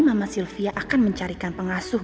mama sylvia akan mencarikan pengasuh